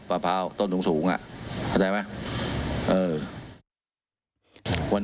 พร้าวต้นสูงเข้าใจไหม